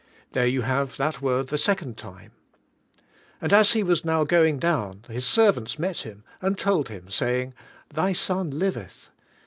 There you have that word the second time. "And as he was now going down, his servants met him, and told him, saying, Th}^ son liveth.